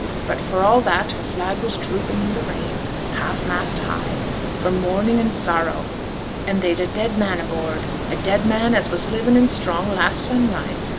But for all that her flag was drooping i' t' rain, half mast high, for mourning and sorrow, an' they'd a dead man aboard a dead man as was living and strong last sunrise.